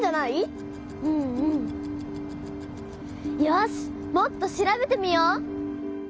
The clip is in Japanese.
よしもっと調べてみよう！